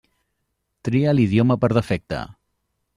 Tria l'idioma per defecte.